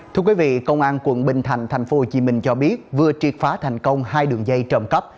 thưa quý vị công an quận bình thành thành phố hồ chí minh cho biết vừa triệt phá thành công hai đường dây trầm cấp